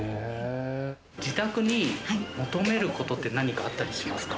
自宅に求めることって何かあったりしますか？